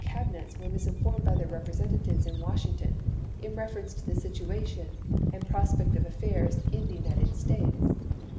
Cabinets were misinformed by their representatives in Washington in reference to the situation and prospect of affairs in the United States.